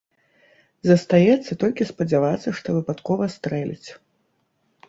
Застаецца толькі спадзявацца, што выпадкова стрэліць.